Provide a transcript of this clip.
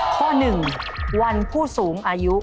ข้อ๑วันผู้สูงอายุ